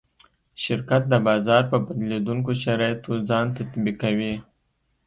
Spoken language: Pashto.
شرکت د بازار په بدلېدونکو شرایطو ځان تطبیقوي.